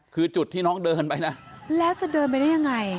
คือจุดที่น้องเดินไปนะแล้วจะเดินไปได้ยังไง